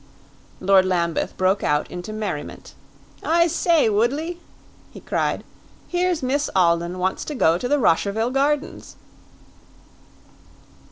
Lord Lambeth broke out into merriment. "I say, Woodley," he cried, "here's Miss Alden wants to go to the Rosherville Gardens!"